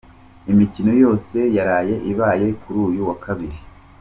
Imikino yose yaraye ibaye kuri uyu wa Kabiri.